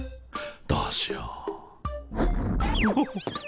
どうしよう。